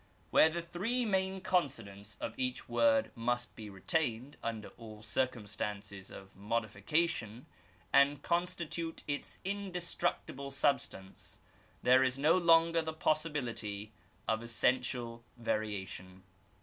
Where the three main consonants of each word must be retained under all circumstances of modification, and constitute its indestructible substance, there is no longer tiie possibility of essential variation.